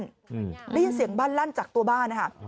ได้ยินเสียงบ้านลั่นจากตัวบ้านนะคะ